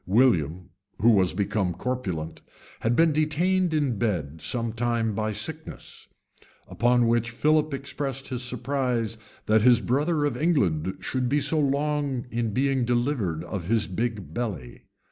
William, who was become corpulent, had been detained in bed some time by sickness; upon which Philip expressed his surprise that his brother of England should be so long in being delivered of his big belly.